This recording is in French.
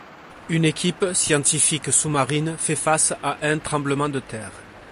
Une équipe scientifique sous-marine fait face à un tremblement de terre.